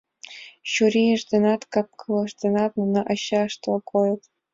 Чурийышт денат, кап-кылышт денат нуно ачаштла койыт.